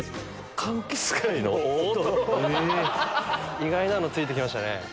意外なの付いてきましたね。